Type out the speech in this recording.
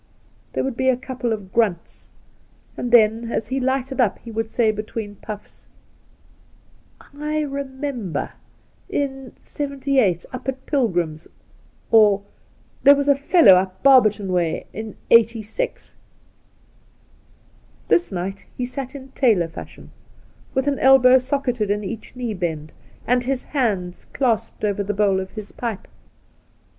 There would be a couple of grunts, and then, as he lighted up, he would say, between puffs, ' I remeimber, in '78, up at Pilgrim's,' or, 'There was a fellow up Barberton way in '86.' This night he sat in tailor fashion, with an elbow socketed in each knee bend, and his hands clasped over the bowl of his pipe.